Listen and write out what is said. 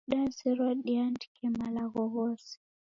Nazerwa niandike malagho ghose